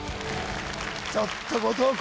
ちょっと後藤弘